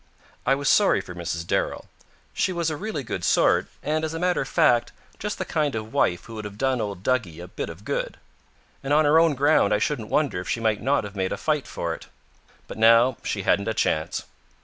I was sorry for Mrs. Darrell. She was a really good sort and, as a matter of fact, just the kind of wife who would have done old Duggie a bit of good. And on her own ground I shouldn't wonder if she might not have made a fight for it. But now she hadn't a chance.